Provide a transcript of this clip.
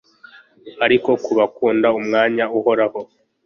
ariko ku bakunda, umwanya uhoraho